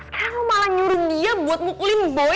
sekarang lo malah nyuruh dia buat ngukulin boy